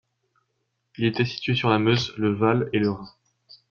Il était situé sur la Meuse, le Waal et le Rhin.